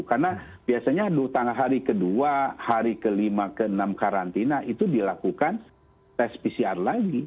karena biasanya aduh tanggal hari ke dua hari ke lima ke enam karantina itu dilakukan tes pcr lagi